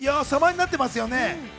さまになってますよね。